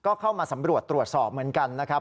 ก็เข้ามาสำรวจตรวจสอบเหมือนกันนะครับ